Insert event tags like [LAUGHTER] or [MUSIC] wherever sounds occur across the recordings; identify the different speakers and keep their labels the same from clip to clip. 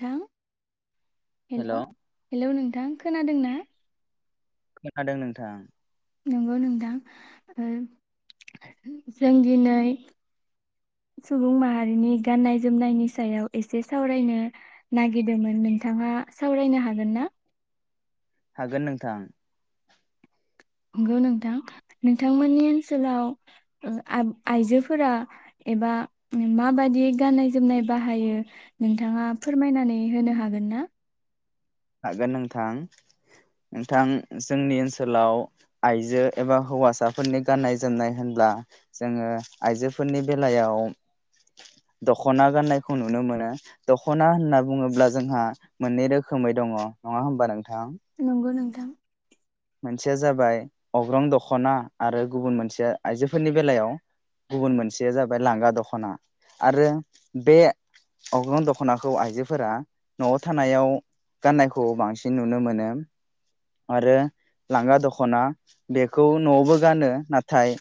Speaker 1: थां hello hello न नोंथां खोनादों ना
Speaker 2: खोनादों नोंथां
Speaker 1: नंगौ नोंथां ओ जों दिनै सुबुं माहारिनि गाननाय जोमनायनि सायाव एसे सावरायनो नागिरदोंमोन नोंथाङा सावरायनो हागोन ना
Speaker 2: हागोन नोंथां
Speaker 1: नंगौ नोंथां नोंथांमोननि ओनसोलाव ओ आ-आइजोफोरा एबा माबादि गाननाय जोमनाय बाहायो नोंथाङा फोरमायनानै होनो हागोन ना
Speaker 2: हागोन नोंथां नोंथां जोंनि ओनसोलाव आइजो एबा हौवासाफोरनि गाननाय जोमनाय होनब्ला जोङो आइजोफोरनि बेलायाव दख'ना गाननायखौ नुनो मोनो दख'ना होनना बुङोब्ला जोंहा मोननै रोखो [UNINTELLIGIBLE] दङ नङा होनबा नों
Speaker 1: नंगौ नों थां
Speaker 2: मोनसेया जाबाय अग्रं दख'ना आरो गुबुन मोनसेया आइजोफोरनि बेलायाव गुबुन मोनसेया जाबाय लांगा दख'ना आरो बे अग्रं दख'नाखौ आइजोफोरा न'आव थानायाव गाननायखौ बांसिन नुनो मोनो आरो लांगा दख'ना बेखौ न'आवबो गानो नाथाय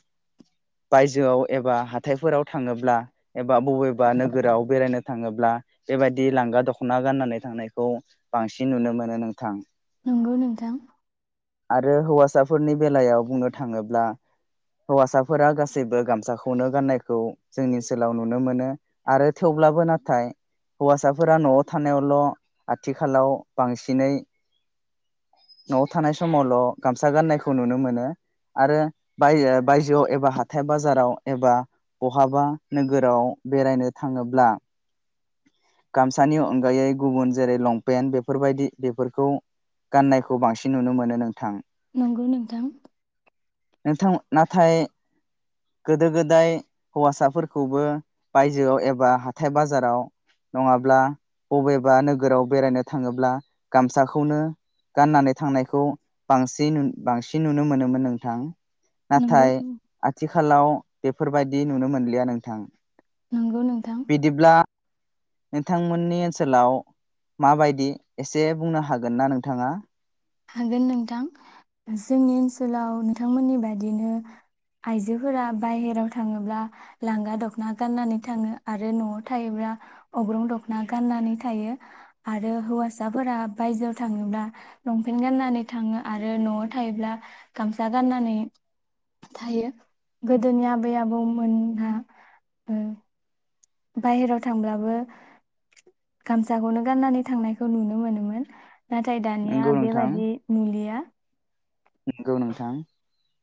Speaker 2: बायजोआव एबा हाथायफोराव थाङोब्ला एबा बबेबा नोगोराव बेरायनो थाङोब्ला बेबायदि लांगा दख'ना गाननानै थांनायखौ बांसिन नुनो मोनो नोंथां
Speaker 1: नंगौ नोंथां
Speaker 2: आरो हौवासाफोरनि बेलायाव बुंनो थाङोब्ला हौवासाफोरा गासैबो गामसाखौनो गाननायखौ जोंनि ओनसोलाव नुनो मोनो आरो थेवब्लाबो नाथाय हौवासाफोरा न'आव थानायावल' आथिखालाव बांसिनै न'आव थानाय समावल' गामसा गाननायखौ नुनो मोनो आरो बाय बायजोआव एबा हाथाय बाजाराव एबा बहाबा नोगोराव बेरायनो थाङोब्ला गामसानि अनगायै गुबुन जेरै लंपेन्ट बेफोरबायदि बेफोरखौ गाननायखौ बांसिन नुनो मोनो नोंथां
Speaker 1: नंगौ नोंथां
Speaker 2: नोंथां नाथाय नङाब्ला बबेबा नोगोराव बेरायनो थाङोब्ला गामसाखौनो गाननानै थांनायखौ बांसिन बांसिन नुनो मोनोमोन नोंथां
Speaker 1: नंगौ
Speaker 2: नाथाय आथिखालाव बेफोरबायदि नुनो मोनलिया नोंथां
Speaker 1: नंगौ नोंथां
Speaker 2: बिदिब्ला नोंथांमोननि ओनसोलाव माबायदि एसे बुंनो हागोन ना नोंथाङा
Speaker 1: हागोन नोंथां जोंनि ओनसोलाव नोंथांमोननि बादिनो आइजोफोरा बाहेरायाव थाङोब्ला लांगा दख'ना गाननानै थाङो आरो न'आव थायोब्ला अग्रं दख'ना गाननानै थायो आरो हौवासाफोरा बायजोआव थाङोब्ला लंपेन्ट गाननानै थाङो आरो न'आव थायोब्ला गामसा गाननानै थायो गोदोनि आबै आबौमोनहा ओ बाहेराव थांब्लाबो गामसाखौनो गाननानै थांनायखौ नुनो मोनोमोन नाथाय
Speaker 2: नंगौ
Speaker 1: दानिया बेबादि नुलिया
Speaker 2: नोंगौ नोंथां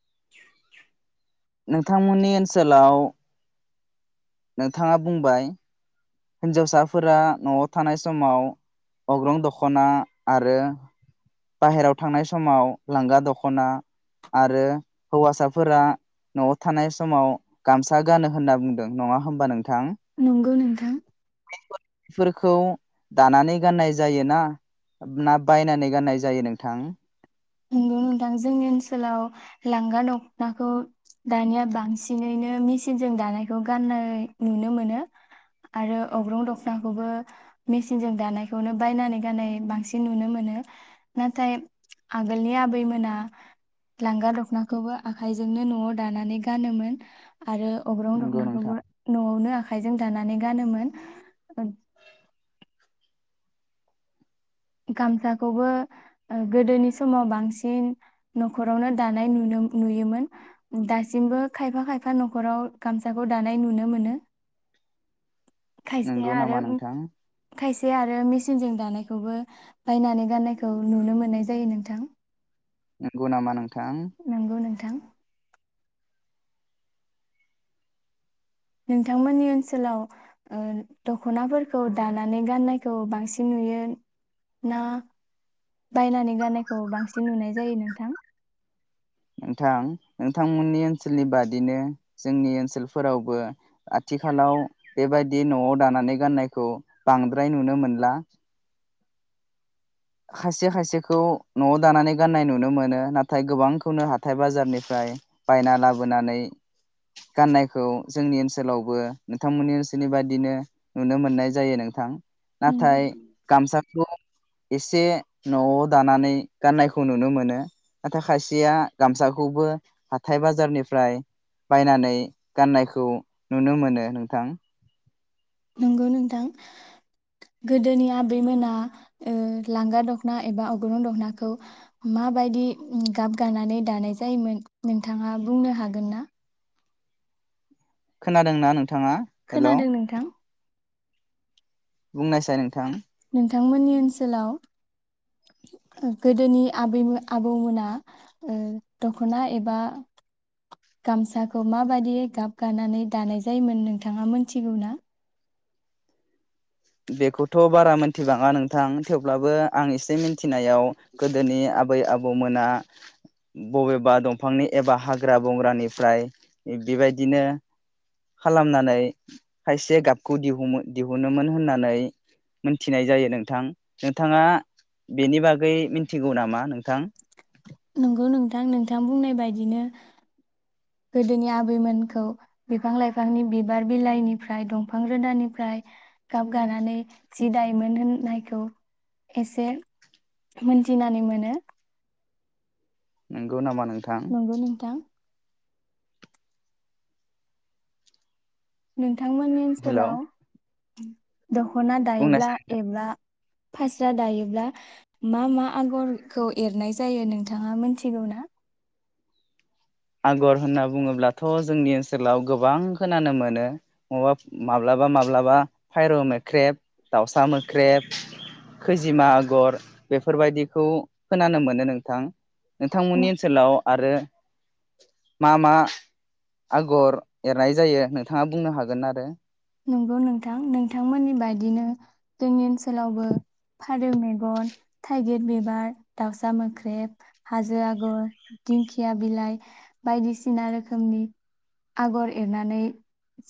Speaker 1: [INAUDIBLE]
Speaker 2: नोंथांमोननि ओनसोलाव नोंथाङा बुंबाय हिनजावसाफोरा न'आव थानाय समाव अग्रं दख'ना आरो बाहेरायाव थांनाय समाव लांगा दख'ना आरो हौवासाफोरा न'आव थानाय समाव गामसा गानो होनना बुंदों नङा होमबा नोंथां
Speaker 1: नंगौ नोंथां
Speaker 2: फोरखौ दानानै गाननाय जायो ना ना बायनानै गाननाय जायो नोंथां
Speaker 1: नोंगौ नोंथां जोंनि ओनसोलाव लांगा दख'नाखौ दानिया बांसिनैनो मेचिनजों दानायखौ गाननाय नुनो मोनो आरो अग्रं दख'नाखौबो मेचिनजों दानायखौनो बायनानै गाननाय बांसिन नुनो मोनो नाथाय आगोलनि आबैमोना लांगा दख'नाखौबो आखाइजोंनो न'आव दानानै गानोमोन आरो अग्रं
Speaker 2: नंगौ नोंथां
Speaker 1: दख'नाखौबो न'आवनो आ आखाइजों दानानै गानोमोन गामसाखौबो ओ गोदोनि समाव बांसिन न'खरावनो दानाय नुनो नुयोमोन दासिमबो खायफा खायफा न'खराव गामसाखौ दानाय नुनो मोनो खायसे
Speaker 2: नंगौ
Speaker 1: आरो
Speaker 2: नामा नोंथां
Speaker 1: खायसे आरो आरो मेसिनजों दानायखौबो बायनानै गाननायखौ नुनो मोननाय जायो नोंथां
Speaker 2: नंगौ नामा नों
Speaker 1: नंगौ नोंथां नोंथांमोननि ओनसोलाव ओह दख'नाफोरखौ दानानै गाननायखौ बांसिन नुयो ना बायनानै गाननायखौ बांसिन नुनाय जायो नोंथां
Speaker 2: नोंथां नोंथांमोननि ओनसोलनि बादिनो जोंनि ओनसोलफोरावबो आथिखालाव बेबायदि न'आव दानानै गाननायखौ बांद्राय नुनो मोनला खायसे खायसेखौ न'आव दानानै गाननाय नुनो मोनो नाथाय गोबांखौनो हाथाय बाजारनिफ्राय बायना लाबोनानै गाननायखौ जोंनि ओनसोलावबो नोंथांमोननि ओनसोलनि बायदिनो नुनो मोननाय जायो नोंथां
Speaker 1: नंगौ
Speaker 2: नाथाय गामसा [UNINTELLIGIBLE] एसे न'आव दानानै गाननायखौ नुनो मोनो नाथाय खायसेया गामसाखौबो हाथाइ बाजारनिफ्राय बायनानै गाननायखौ नुनो मोनो नोंथां
Speaker 1: नंगौ नोंथां गोदोनि आबै मोना ओ लांगा दखना एबा अग्रं दख'नाखौ माबायदि गाब गानानै दानाय जायोमोन नोंथाङा बुंनो हागोन ना
Speaker 2: खोनादोंना नों नोंथाङा हेल'
Speaker 1: खोनादों नोंथां
Speaker 2: बुंनायसाय नोंथां
Speaker 1: नोंथांमोननि ओनसोलाव गोदोनि आबै आबौमोना ओ दखना एबा गामसाखौ माबादियै गाब गानानै दानाय जायोमोन नोंथाङा मोनथिगौना
Speaker 2: बेखौथ' बारा मोनथिबाङा नोंथां थेवब्लाबो आं एसे मिन्थिनायाव गोदोनि आबै आबौमोना बबेबा दंफांनि एबा हाग्रा बंग्रानिफ्राय बेबायदिनो खालामनानै खायसे गाबखौ दिहुमोन दिहुनोमोन होननानै होननानै मिथिनाय जायो नोंथां नोंथाङा बेनि बागै मिथिगौ नामा नोंथां
Speaker 1: नंगौ नोंथां नोंथां बुंनाय बायदिनो गोदोनि आबैमोनखौ बिफां लाइफांनि बिबार बिलाइनिफ्राय दंफां रोदानिफ्राय गाब गानानै सि दायोमोन होननायखौ एसे मोनथिनानै मोनो
Speaker 2: नोंगौ नामा नों
Speaker 1: नंगौ नोंथां नों नोंथांमोननि
Speaker 2: हेलौ
Speaker 1: ओनसोलाव [UNINTELLIGIBLE] दख'ना दायोब्ला
Speaker 2: बुंनायसाय नोंथां
Speaker 1: एबा फास्रा दायोब्ला मा मा आगरखौ एरनाय जायो नोंथाङा मोनथिगौ ना
Speaker 2: आगर होनना बुङोब्लाथ' जोंनि ओनसोलाव गोबां खोनानो मोनो माबा माब्लाबा माब्लाबा फायर' मोख्रेब दाउसा मोख्रेब खैजिमा आगर बेफोरबायदिखौ खोनानो मोनो नोंथां नोंथांमोननि ओनसोलाव आरो मा मा आगर एरनाय जायो नोंथाङा बुंनो हागोन आरो
Speaker 1: नंगौ नोंथां नोंथांमोननि बायदिनो जोंनि ओनसोलावबो फारौ मेगन थाइगिर बिबार दाउसा मोख्रेब हाजो आगर दिंखिया बिलाइ बायदिसिना रोखोमनि आगर एरनानै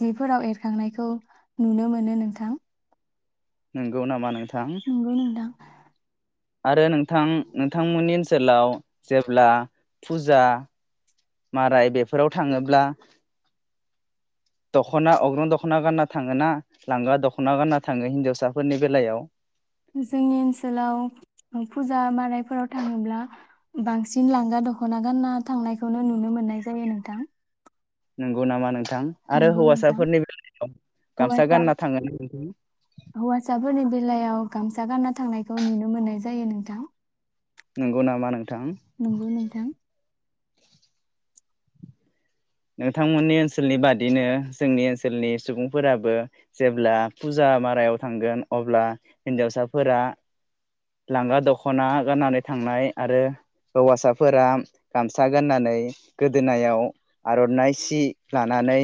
Speaker 1: जिफोराव एरखांनायखौ खौ नुनो मोनो नोंथां
Speaker 2: नंगौ नामा नोंथां
Speaker 1: नंगौ नोंथां
Speaker 2: आरो नों नोंथां नोंथांमोननि ओनसोलाव जेब्ला फुजा माराय बेफोराव थाङोब्ला दख'ना अग्रं दख'ना गानना थाङोना लांगा दख'ना गानना थाङो हिनजावसाफोरनि बेलायाव
Speaker 1: जोंनि ओनसोलाव फुजा मारायफोराव थाङोब्ला बांसिन लांगा दख'ना गानना थांनायखौनो नुनो मोननाय जायो नोंथां
Speaker 2: नंगौ नामा नोंथां थां आरो
Speaker 1: नंगौ नोंथां
Speaker 2: हौवासाफोरनि बेलायाव गामसा
Speaker 1: हौवासा
Speaker 2: गानना थाङो
Speaker 1: हौवासाफोरनि बेलायाव गामसा गानना थांनायखौ नुनो मोननाय जायो नोंथां
Speaker 2: नोंगौ नामा नोंथां
Speaker 1: नंगौ नोंथां
Speaker 2: नोंथांमोननि ओनसोलनि बादिनो जोंनि ओनसोलनि सुबुंफोराबो जेब्ला फुजा मारायाव थांगोन अब्ला हिनजावसाफोरा लांगा दख'ना गाननानै थांनाय आरो हौवासाफोरा गामसा गाननानै गोदोनायाव आर'नाइ सि लानानै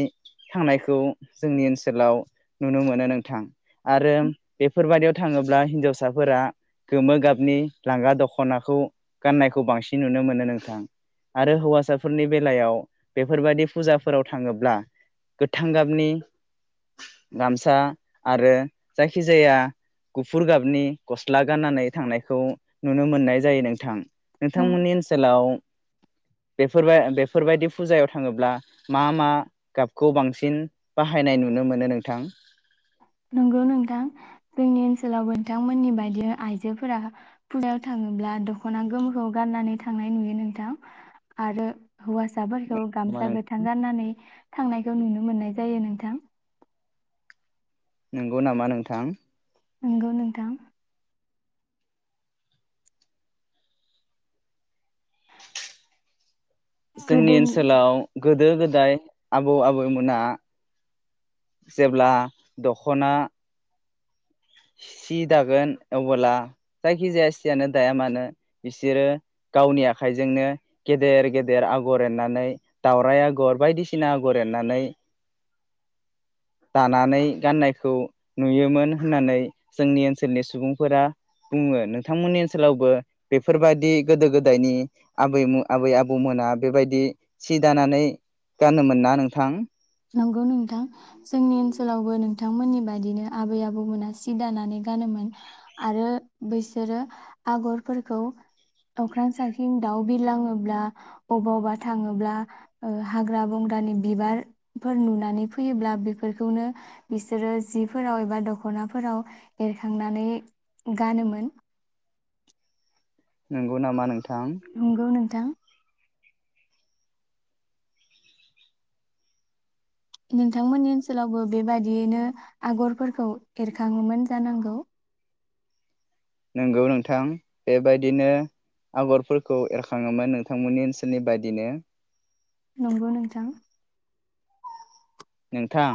Speaker 2: थांनायखौ जोंनि ओनसोलाव नुनो मोनो नोंथां आरो बेफोरबायदियाव थाङोब्ला हिनजावसाफोरा गोमो गाबनि लांगा दख'नाखौ गाननायखौ बांसिन नुनो मोनो नोंथां आरो हौवासाफोरनि बेलायाव बेफोरबायदि फुजाफोराव लाङोब्ला गोथां गाबनि गामसा आरो जायखिजाया गुफुर गाबनि गस्ला गाननानै थांनायखौ नुनो मोननाय जायो नोंथां नोंथांमोननि ओनसोलाव बेफोरबाय बेफोरबायदि फुजायाव थाङोब्ला मा मा गाबखौ बांसिन बाहायनाय नुनो मोनो नोंथां
Speaker 1: नंगौ नोंथां जोंनि ओनसोलावबो नोंथांमोननि बायदि आइजोफोरा फुजायाव थाङोब्ला दख'ना गोमोखौ गाननानै थांनाय नुयो नोंथां आरो हौवासाफोर खौ गामसा गोथां गाननानै थांनायखौ नुनो मोननाय जायो नोंथां
Speaker 2: नंगौ नामा नोंथां
Speaker 1: नंगौ नोंथां
Speaker 2: जोंनि
Speaker 1: गोदो
Speaker 2: ओनसोलाव गोदो गोदाय आबौ आबैमोना जेब्ला दख'ना सि दागोन अबोला जायखि जाया सियानो दाया मानो बिसोरो गावनि आखाइजोंनो गेदेर गेदेर आगर एरनानै दावराइ आगर बायदिसिना आगर एरनानै दानानै गाननायखौ नुयोमोन होननानै जोंनि ओनसोलनि सुबुंफोरा बुङो नोंथांमोननि ओनसोलावबो बेफोरबायदि गोदो गोदायनि आबै आबै आबौमोना बेबायदि सि दानानै गानोमोन ना नोंथां
Speaker 1: नंगौ नोंथां जोंनि ओनसोलावबो नोंथांमोननि बायदिनो आबै आबौमोना सि दानानै गानोमोन आरो बेसोरो आगरफोरखौ अख्रां साथिं दाउ बिरलाङोब्ला अबावबा थाङोब्ला ओ हाग्रा बंग्रानि बिबार फोर नुनानै फैयोब्ला बेफोरखौनो बिसोरो जिफोराव एबा द'खनाफोराव एरखांनानै गानोमोन
Speaker 2: नंगौ नामा नोंथां
Speaker 1: नंगौ नोंथां नोंथांमोननि ओनसोलावबो बेबादियैनो आगरफोरखौ एरखाङोमोन जानांगौ
Speaker 2: नंगौ नोंथां बेबायदिनो आगरफोरखौ एरखाङोमोन नोंथांमोननि ओनसोलनि बायदिनो
Speaker 1: नंगौ नोंथां
Speaker 2: नोंथां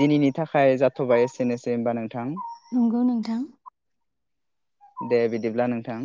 Speaker 2: दिनैनि थाखाय जाथ'बाय एसेनोसै होमबा नोंथां
Speaker 1: नंगौ नोंथां
Speaker 2: दे बिदिब्ला नोंथां